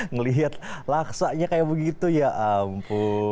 ngelihat laksanya kayak begitu ya ampun